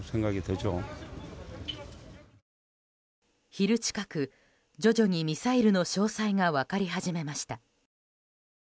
昼近く徐々にミサイルの詳細が分かり始めました。